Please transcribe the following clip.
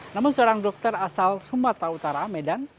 namun seorang dokter asal sumatera utara medan